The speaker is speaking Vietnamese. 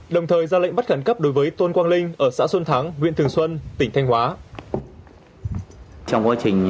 đồng thời ra lệnh bắt khẩn cấp đối với tôn quang linh ở xã xuân thắng huyện thường xuân tỉnh thanh hóa